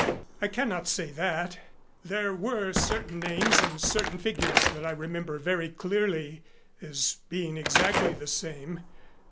"I cannot say that. There were certain names and certain figures that I remember very clearly as being exactly the same.